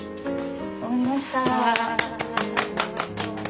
終わりました。